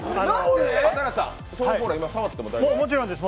そのコーラは触ってもいいんですか？